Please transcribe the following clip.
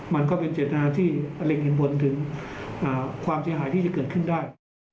มันก็เป็นเจตนาที่มะเร็งเห็นผลถึงความเสียหายที่จะเกิดขึ้นได้